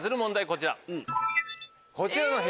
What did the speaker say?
こちら。